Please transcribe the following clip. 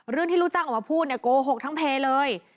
ลูกที่ลูกจ้างออกมาพูดเนี่ยโกหกทั้งเพย์เลย